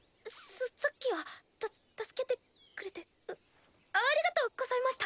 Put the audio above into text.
ささっきはた助けてくれてあありがとうございました。